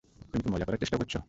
তুমি কি মজা করার চেষ্টা করছো?